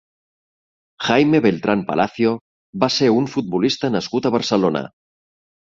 Jaime Beltran Palacio va ser un futbolista nascut a Barcelona.